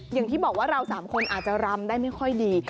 อย่างที่บอกว่าเรา๓คนอาจจะรำได้ไม่ค่อยดี